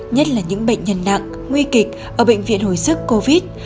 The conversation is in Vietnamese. nhất là những bệnh nhân nặng nguy kịch ở bệnh viện hồi sức covid một mươi chín